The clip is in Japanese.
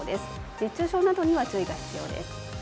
熱中症などには注意が必要です。